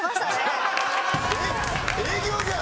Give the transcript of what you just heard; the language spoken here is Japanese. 営業じゃん！